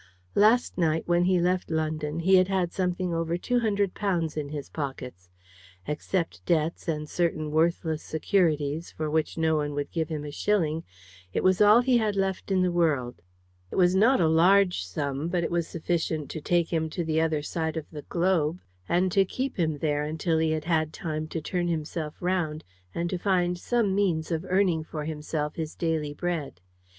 Last night, when he left London, he had had something over two hundred pounds in his pockets. Except debts, and certain worthless securities, for which no one would give him a shilling, it was all he had left in the world. It was not a large sum, but it was sufficient to take him to the other side of the globe, and to keep him there until he had had time to turn himself round, and to find some means of earning for himself his daily bread.